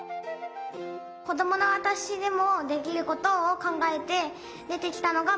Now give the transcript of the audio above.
子どものわたしでもできることを考えて出てきたのがぼきんでした。